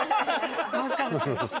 確かに。